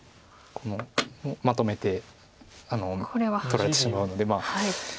このまとめて取られてしまうのでそうなんです。